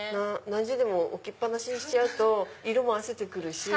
何十年も置きっ放しにしちゃうと色もあせて来るし。